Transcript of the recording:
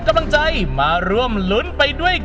เพราะในลมพัดพาหัวใจพี่ไปถึง